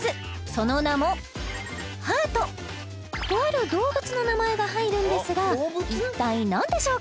その名もとある動物の名前が入るんですが一体何でしょうか？